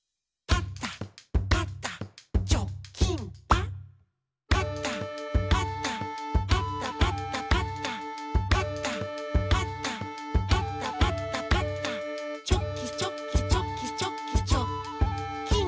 「パタパタパタパタパタ」「パタパタパタパタパタ」「チョキチョキチョキチョキチョッキン！」